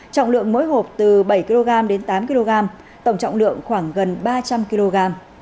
trọng lượng mỗi hộp từ bảy kg đến tám kg tổng trọng lượng khoảng gần ba trăm linh kg